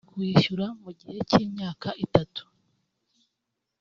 akazakomeza kuwishyura mu gihe cy’imyaka itatu